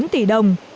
bảy bốn tỷ đồng